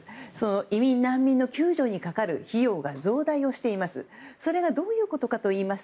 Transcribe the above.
移民・難民の救助にかかる費用が増大しています。